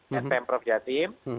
dan pemprov jatim